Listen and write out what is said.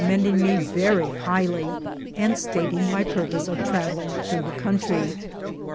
mending me yerj highly^ and stating my purpoee ot travelling through the comitry.